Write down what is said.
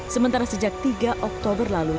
sementara sejak tiga oktober lalu